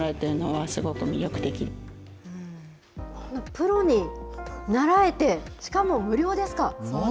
プロに習えて、しかも無料ですか？